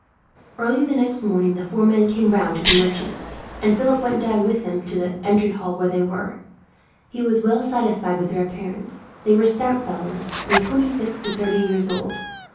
Early the next morning the four men came round to the merchant's, and Philip went down with him into the entry hall where they were. He was well satisfied with their appearance. They were stout fellows, from twenty six to thirty years old.